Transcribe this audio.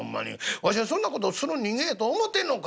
『わしがそんな事する人間やと思ってんのか？』